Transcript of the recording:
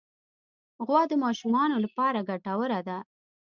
غوا د ماشومانو لپاره ګټوره ده.